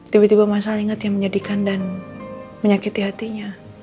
tiba tiba mas al ingat yang menyedihkan dan menyakiti hatinya